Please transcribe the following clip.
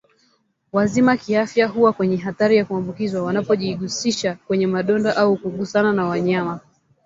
wazima kiafya huwa kwenye hatari ya kuambukizwa wanapojigusisha kwenye madonda au kugusana na wanyama